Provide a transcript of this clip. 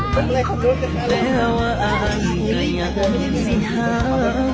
แต่ว่าอ้างใกล้อย่างสีหา